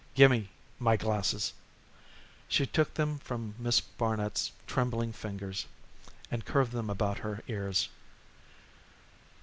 "Gimme my glasses." She took them from Miss Barnet's trembling ringers and curved them about her ears.